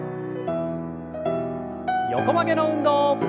横曲げの運動。